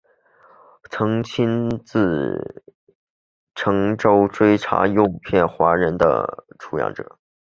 曾亲自乘舟追查诱骗华人出洋者。